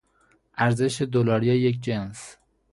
ارزش دلاری یک جنس